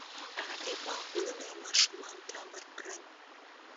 هغه د باغ ګلونه ماشومانو ته ورکړل.